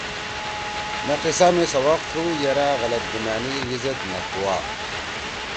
مے قصہ می سوق تُو یرأ غلط گمأنی یزید نوکوا۔